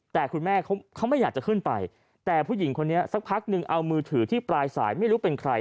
แต่คุณแม่เขาไม่อยากจะขึ้นไปแต่ผู้หญิงคนนี้สักพักนึงเอามือถือที่ปลายสายไม่รู้เป็นใคร